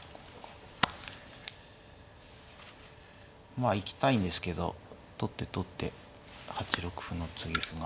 まあ行きたいんですけど取って取って８六歩の継ぎ歩が。